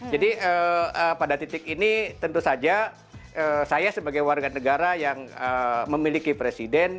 jadi pada titik ini tentu saja saya sebagai warga negara yang memiliki presiden